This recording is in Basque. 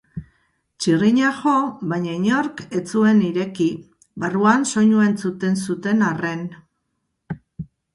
Txirrina jo baina inork ez zuen ireki, barruan soinua entzuten zuten arren.